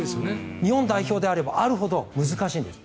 日本代表であればあるほど難しいんです。